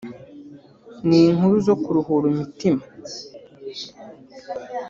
ni inkuru zo kuruhura imtima